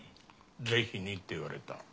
ぜひにって言われた。